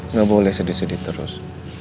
nggak boleh sedih sedih terus